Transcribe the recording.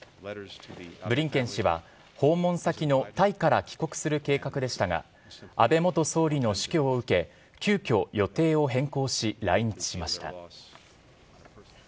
ブリンケン氏は訪問先のタイから帰国する計画でしたが、安倍元総理の死去を受け、急きょ、予定を変更し、来日しました。